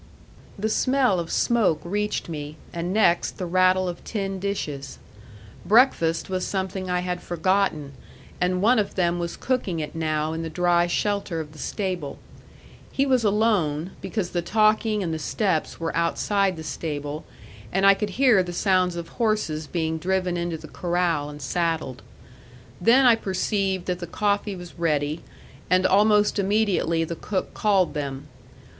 The smell of smoke reached me, and next the rattle of tin dishes. Breakfast was something I had forgotten, and one of them was cooking it now in the dry shelter of the stable. He was alone, because the talking and the steps were outside the stable, and I could hear the sounds of horses being driven into the corral and saddled. Then I perceived that the coffee was ready, and almost immediately the cook called them.